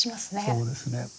そうですね。